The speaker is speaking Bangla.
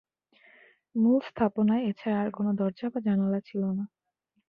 মূল স্থাপনায় এছাড়া আর কোন দরজা বা জানালা ছিল না।